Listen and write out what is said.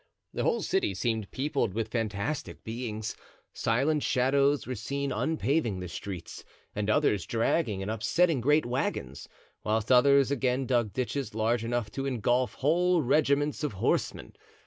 The whole city seemed peopled with fantastic beings; silent shadows were seen unpaving the streets and others dragging and upsetting great wagons, whilst others again dug ditches large enough to ingulf whole regiments of horsemen.